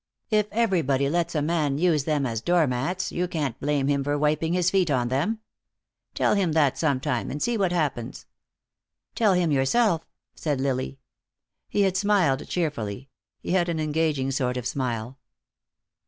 If everybody lets a man use them as doormats, you can't blame him for wiping his feet on them. Tell him that sometime, and see what happens." "Tell him yourself!" said Lily. He had smiled cheerfully. He had an engaging sort of smile.